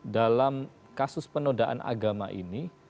dalam kasus penodaan agama ini